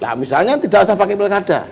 nah misalnya tidak usah pakai pilkada